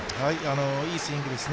いいスイングですね。